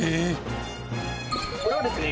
これはですね